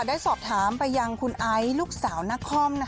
ได้สอบถามไปยังคุณไอซ์ลูกสาวนคร